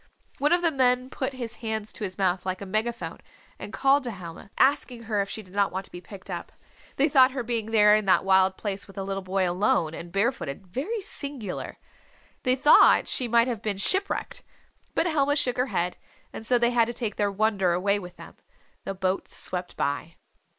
One of the men put his hands to his mouth like a megaphone and called to Helma, asking her if she did not want to be picked up. They thought her being there in that wild place with a little boy, alone, and barefooted, very singular. They thought she might have been shipwrecked. But Helma shook her head, and so they had to take their wonder away with them. The boat swept by.